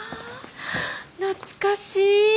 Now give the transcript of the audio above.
懐かしい。